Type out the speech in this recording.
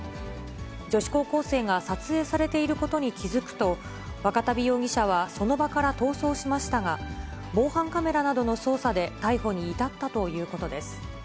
女子高校生が撮影されていることに気付くと、若旅容疑者はその場から逃走しましたが、防犯カメラなどの捜査で、逮捕に至ったということです。